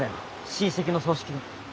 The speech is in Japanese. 親戚の葬式で。